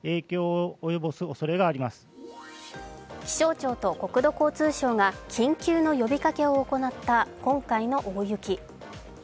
気象庁と国土交通省が緊急の呼びかけを行った今回の大雪。